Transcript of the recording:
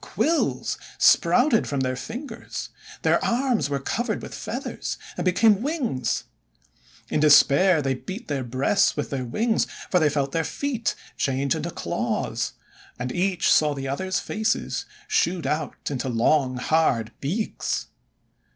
quills sprouted from their fingers; their arms were covered with feathers, and became wings ! In despair they beat their breasts with their wings, for they felt their feet change into claws; and each saw the others' faces shoot out into long hard beaks.